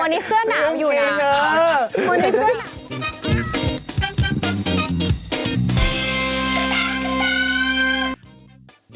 วันนี้เสื้อหน